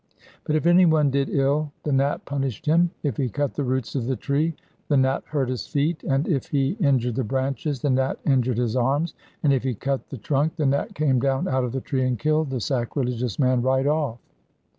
But if anyone did ill the Nat punished him. If he cut the roots of the tree, the Nat hurt his feet; and if he injured the branches, the Nat injured his arms; and if he cut the trunk, the Nat came down out of the tree, and killed the sacrilegious man right off.